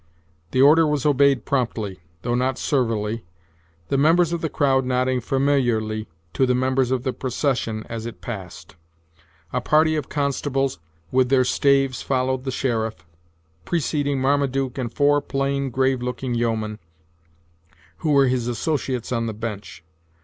The order was obeyed promptly, though not servilely, the members of the crowd nodding familiarly to the members of the procession as it passed. A party of constables with their staves followed the sheriff, preceding Marmaduke and four plain, grave looking yeomen, who were his associates on the bench.